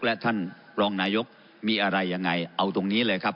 และท่านรองนายกมีอะไรยังไงเอาตรงนี้เลยครับ